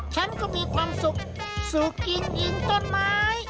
ฉันก็มีความสุขสูบกินอิงต้นไม้